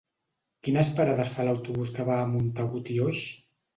Quines parades fa l'autobús que va a Montagut i Oix?